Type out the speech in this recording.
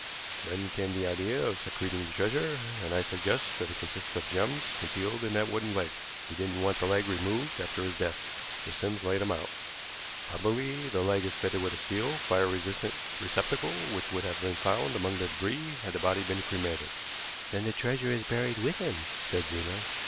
Then came the idea of secreting the treasure, and I suggest that it consists of gems concealed in that wooden leg. He didn't want the leg removed after his death, so Sims laid him out. Probably the leg is fitted with a steel, fire resisting receptacle which would have been found among the débris had the body been cremated." "Then the treasure is buried with him," said Zena.